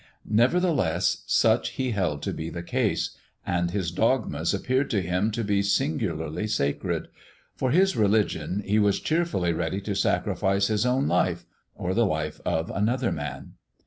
Nevertheless, such he held to be the case, and his dogmas appeared to him to be singularly sacred. For his religion he was cheerfully ready to sacrifice his own life or the life of another man.